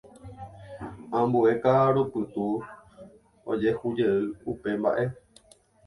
Ambue ka'arupytũ ojehujeýkuri upe mba'e.